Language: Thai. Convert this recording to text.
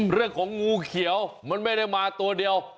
เรื่องของงูเขียวมันไม่ได้มาตัวเดียว